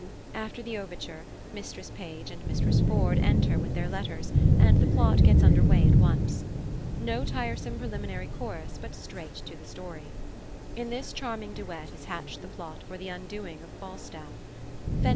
After the overture, Mistress Page and Mistress Ford enter with their letters, and the plot gets under way at once. No tiresome preliminary chorus, but straight to the story. In this charming duet is hatched the plot for the undoing of Falstaff.